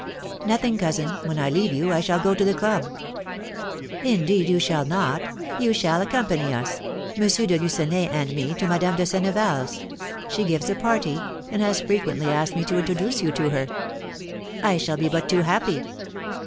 "Nothing, cousin; when I leave you, I shall go to the club." "Indeed you shall not; you shall accompany us, M. de Lucenay and me, to Madame de Senneval's; she gives a party, and has frequently asked me to introduce you to her." "I shall be but too happy."